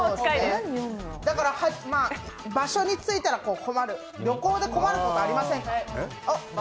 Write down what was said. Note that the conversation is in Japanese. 場所に着いたら困る、旅行で困ることありませんか？